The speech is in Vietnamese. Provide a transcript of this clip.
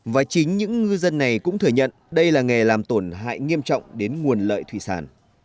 và chính những ngư dân này cũng thừa nhận đây là nghề làm tổn hại nghiêm trọng đến nguồn lợi thủy sản